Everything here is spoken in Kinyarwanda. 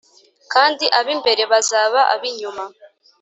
kandi ab’imbere bazaba ab’inyuma